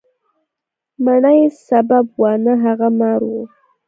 مڼه یې سبب وه، نه هغه مار و.